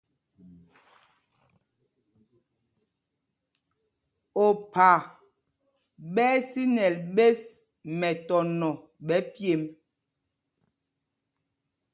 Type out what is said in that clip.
Opha ɓɛ́ ɛ́ sínɛl ɓēs mɛtɔnɔ ɓɛ̌ pyêmb.